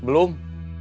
saya jalan dulu